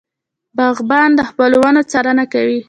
باغبان د خپلو ونو څارنه کوي.